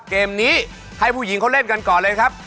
เกมนี้ให้ผู้หญิงเขาเล่นกันก่อนเลยครับ